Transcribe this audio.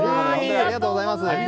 ありがとうございます。